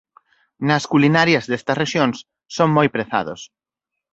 Nas culinarias destas rexións son moi prezados.